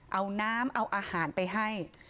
เอาน้ำเอาอาหารไปให้